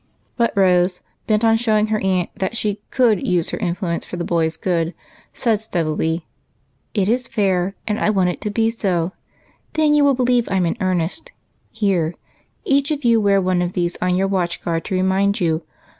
But Rose was bent on showing her aunt that she could use her influence for the boys' good, and said steadily, — "It is fair, and I want it to be so, then you will believe I'm in earnest. Here, each of you wear one of these on your watch guard to remind you.